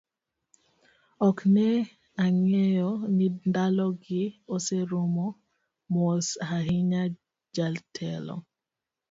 Ok ne ang'eyo ni ndalo gi oserumo, mos ahinya jatelo: